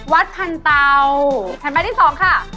วัดพันเตาแผ่นป้ายที่๒ค่ะ